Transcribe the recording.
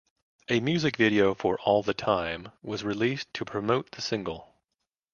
A music video for "All the Time" was released to promote the single.